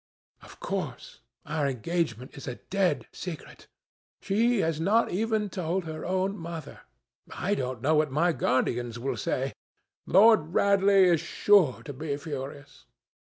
Of course, our engagement is a dead secret. She has not even told her own mother. I don't know what my guardians will say. Lord Radley is sure to be furious.